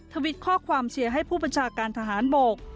ทวิตข้อความเชียร์ให้ผู้บัญชาการทหารบก